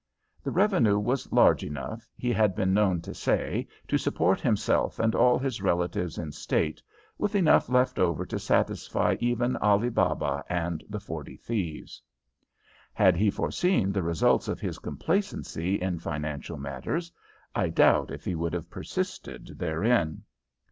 The revenue was large enough, he had been known to say, to support himself and all his relatives in state, with enough left over to satisfy even Ali Baba and the forty thieves. Had he foreseen the results of his complacency in financial matters, I doubt if he would have persisted therein.